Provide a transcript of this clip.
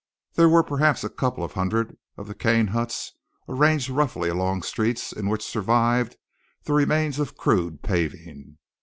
There were perhaps a couple of hundred of the cane huts arranged roughly along streets in which survived the remains of crude paving.